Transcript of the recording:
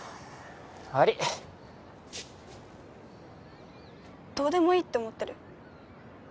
わりいどうでもいいって思ってる？